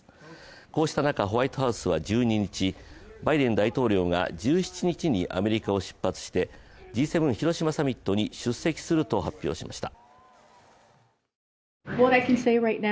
こうした中、ホワイトハウスは１２日、バイデン大統領が１７日にアメリカを出発してＧ７広島サミットに出席すると発表しました。